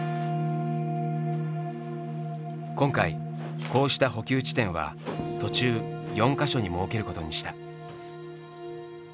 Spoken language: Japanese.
今回こうした補給地点は途中４か所に設けることにした。